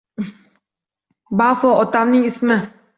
Bafo otamning ismi.